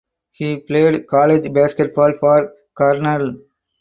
He played college basketball for Cornell.